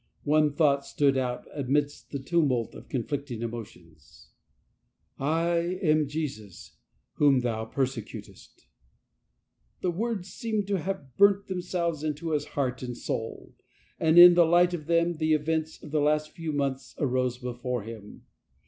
One thought stood out amidst the tumult of conjBicting emotions: " I am Jesus, whom thou persecutest !" The words seemed to have burnt themselves into his heart and soul, and in the light of them the events of the last few months arose before him.